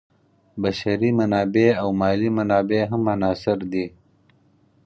بشري منابع او مالي منابع هم عناصر دي.